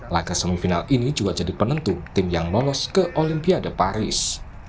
laga semifinal ini juga jadi penentu tim yang lolos ke olimpiade paris